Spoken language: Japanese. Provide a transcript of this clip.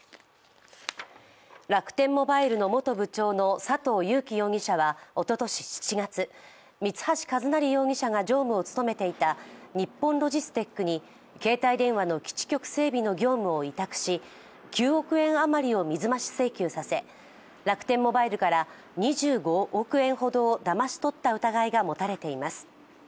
楽天モバイルの元部長の佐藤友紀容疑者はおととし７月三橋一成容疑者が常務を務めていた日本ロジステックに携帯電話の基地局整備の業務を委託し、９億円余りを水増し請求させ楽天モバイルから２５億円ほどをだまし取った疑いがもたれています。